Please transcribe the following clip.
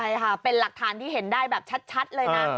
ใช่ค่ะเป็นหลักฐานที่เห็นได้แบบชัดเลยนะ